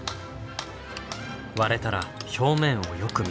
割れたら表面をよく見る。